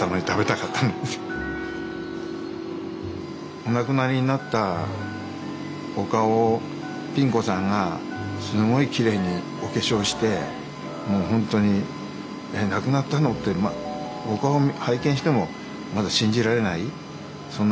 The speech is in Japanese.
お亡くなりになったお顔をピン子さんがすごいきれいにお化粧してもう本当に「亡くなったの？」ってお顔を拝見してもまだ信じられないそんな感じでしたね。